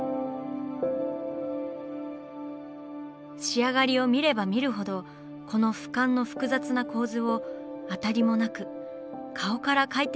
仕上がりを見れば見るほどこの俯瞰の複雑な構図をアタリもなく顔から描いていくなんて。